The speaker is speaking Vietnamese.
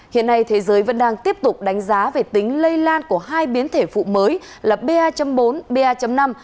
hiện nay thế giới vẫn đang tiếp tục đánh giá về tính lây lan của hai biến thể phụ mới là ba bốn ba năm